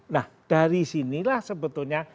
nah dari sinilah sebetulnya